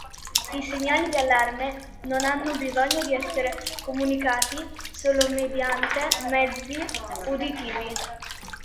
I segnali di allarme non hanno bisogno di essere comunicati solo mediante mezzi uditivi.